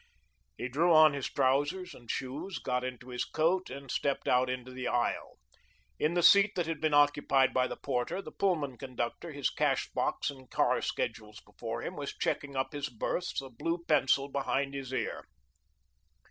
He drew on his trousers and shoes, got into his coat, and stepped out into the aisle. In the seat that had been occupied by the porter, the Pullman conductor, his cash box and car schedules before him, was checking up his berths, a blue pencil behind his ear.